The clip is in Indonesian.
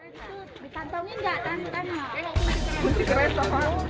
di kantong ini enggak